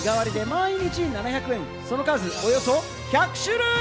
日替わりで毎日７００円、その数およそ１００種類！